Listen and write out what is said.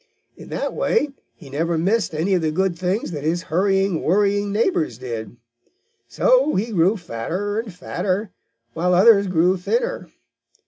In that way he never missed any of the good things that his hurrying, worrying neighbors did. So he grew fatter and fatter, while others grew thinner.